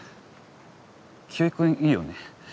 清居君いいよね。